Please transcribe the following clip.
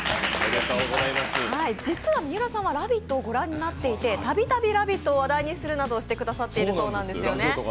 実はみうらさんは「ラヴィット！」をご覧になっていてたびたび「ラヴィット！」を話題にするなどしてくださっているんだそうです。